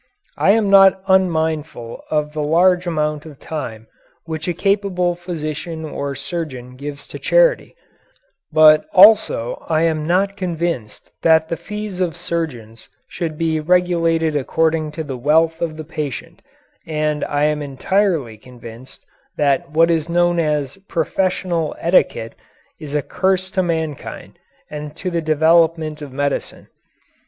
I am not unmindful of the large amount of time which a capable physician or surgeon gives to charity, but also I am not convinced that the fees of surgeons should be regulated according to the wealth of the patient, and I am entirely convinced that what is known as "professional etiquette" is a curse to mankind and to the development of medicine.